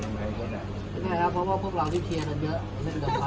ก็เอาเกลียบเลยสิหรือว่าจะหรือตำแหน่งเดียว